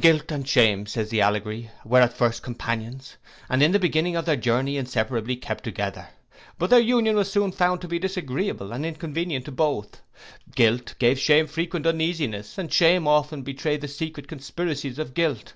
'Guilt and shame, says the allegory, were at first companions, and in the beginning of their journey inseparably kept together. But their union was soon found to be disagreeable and inconvenient to both; guilt gave shame frequent uneasiness, and shame often betrayed the secret conspiracies of guilt.